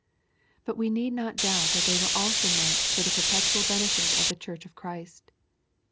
But we need not doubt that they were also meant for the perpetual benefit of the Church of Christ.